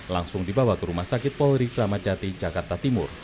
langsung dibawa ke rumah sakit polri kramacati jakarta timur